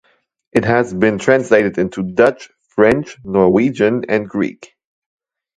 It has been translated into Dutch, French, Norwegian, and Greek.